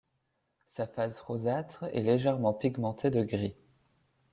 Sa face rosâtre est légèrement pigmentée de gris.